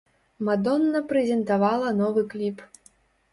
Мадонна прэзентавала новы кліп.